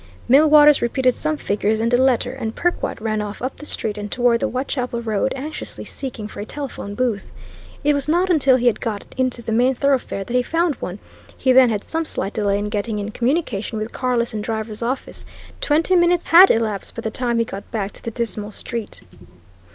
Millwaters repeated some figures and a letter, and Perkwite ran off up the street and toward the Whitechapel Road, anxiously seeking for a telephone booth. It was not until he had got into the main thoroughfare that he found one; he then had some slight delay in getting in communication with Carless and Driver's office; twenty minutes had elapsed by the time he got back to the dismal street.